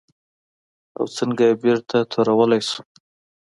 او څنګه یې بېرته تورولی شو؟